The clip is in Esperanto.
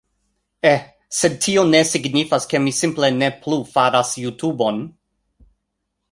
Eh, sed tio ne signifas ke mi simple ne plu faras Jutobon